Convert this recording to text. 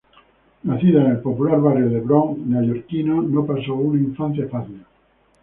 Nacida en el popular barrio del Bronx neoyorquino, no pasó una infancia fácil.